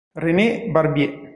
René Barbier